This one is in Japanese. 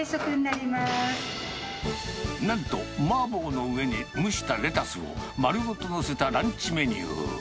なんと麻婆の上に蒸したレタスを丸ごと載せたランチメニュー。